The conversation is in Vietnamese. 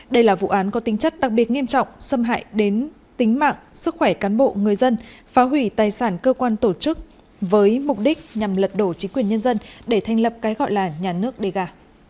đây là vụ án có tính chất đặc biệt nghiêm trọng xâm hại đến tính mạng sức khỏe cán bộ người dân phá hủy tài sản cơ quan tổ chức với mục đích nhằm lật đổ chính quyền nhân dân để thành lập cái gọi là nhà nước đề gà